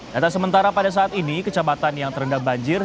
data sementara pada saat ini kecamatan yang terendam banjir